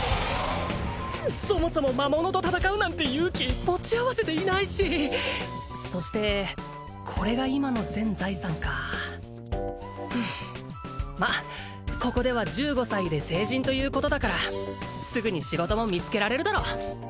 そもそも魔物と戦うなんて勇気持ち合わせていないしそしてこれが今の全財産かまあここでは１５歳で成人ということだからすぐに仕事も見つけられるだろう